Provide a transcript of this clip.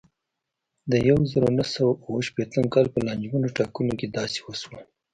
د یوه زرو نهه سوه اوه شپېتم کال په لانجمنو ټاکنو کې داسې وشول.